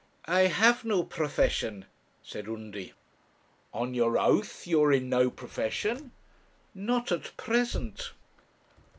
'I have no profession,' said Undy. 'On your oath, you are in no profession?' 'Not at present.'